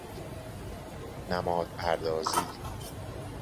نماد پردازی